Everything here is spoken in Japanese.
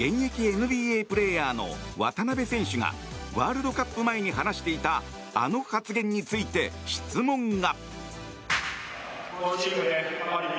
ＮＢＡプレーヤーの渡邊選手がワールドカップ前に話していたあの発言について質問が。